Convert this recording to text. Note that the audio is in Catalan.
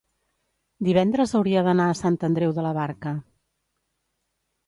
divendres hauria d'anar a Sant Andreu de la Barca.